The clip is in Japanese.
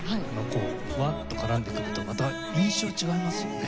こうふわっと絡んでくるとまた印象違いますよね。